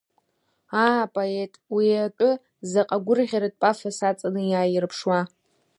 Аа апоет уи атәы заҟа агәырӷьаратә пафос аҵаны иааирыԥшуа…